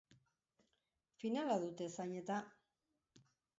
Finala dute zain eta!